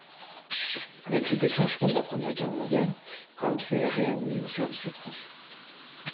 Avec le déclenchement de la Première Guerre mondiale Ramsay est réadmis au service actif.